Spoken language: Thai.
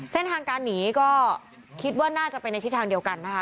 เส้นทางการหนีก็คิดว่าน่าจะไปในทิศทางเดียวกันนะคะ